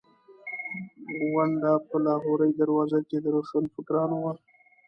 غونډه په لاهوري دروازه کې د روشنفکرانو وه.